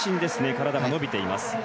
体が伸びています。